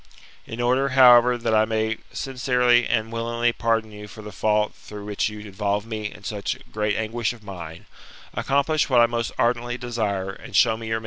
In order, however, that I may sincerely and willingly pardon you for the fault which you involved me in such great anguish of mind, accomplish what I most ardently desire^ and show me your GOLDEN ASS, OF APULBIUS.